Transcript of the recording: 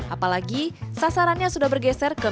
apalagi sasarannya sudah bergeser ke